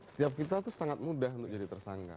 setiap kita itu sangat mudah untuk jadi tersangka